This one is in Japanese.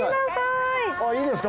いいですか？